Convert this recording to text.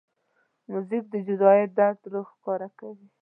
موزیک د جدایۍ درد ښکاره کوي.